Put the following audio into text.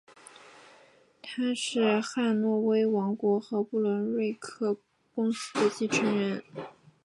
他是汉诺威王国和不伦瑞克公国的继承人。